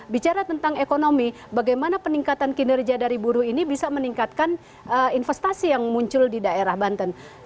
bicara tentang ekonomi bagaimana peningkatan kinerja dari buruh ini bisa meningkatkan investasi yang muncul di daerah banten